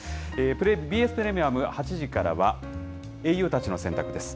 ＢＳプレミアム、８時からは英雄たちの選択です。